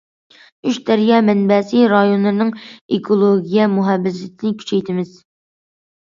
ئۈچ دەريا مەنبەسى رايونلىرىنىڭ ئېكولوگىيە مۇھاپىزىتىنى كۈچەيتىمىز.